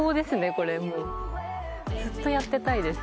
これもうずっとやってたいです